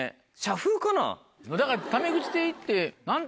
だからタメ口で行って。